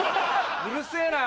うるせぇな！